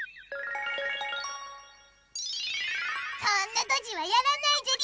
そんなドジはやらないじゃり！